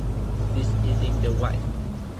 This isn’t the vibe.